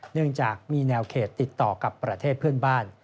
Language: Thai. เนื่องจากมีแนวเขตติดต่อกับประเทศเพื่อนบ้าน